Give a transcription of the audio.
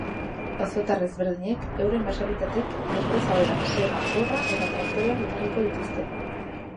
Auzotar ezberdinek euren baserrietatik desbrozadora, sega, borra eta traktoreak ekarriko dituzte.